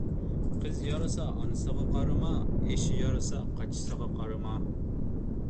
قىزى يارىسا ئانىسىغا قارىما، ئېشى يارىسا قاچىسىغا قارىما.